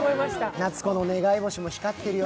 夏子の願い星も光ってるよ。